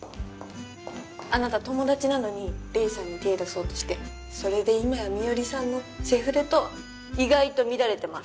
あなた友達なのに黎さんに手出そうとしてそれで今や美織さんのセフレとは意外と乱れてます